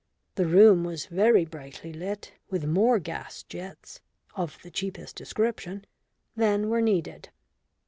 The room was very brightly lit, with more gas jets (of the cheapest description) than were needed.